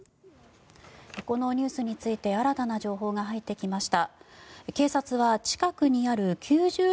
このニュースについて新たな情報が入ってきました。